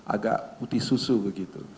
agak putih susu begitu